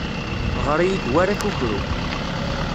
Ɣer-iyi-d war akukru.